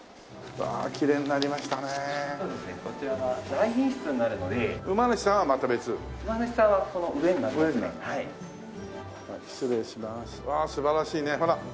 わあ素晴らしいねほら。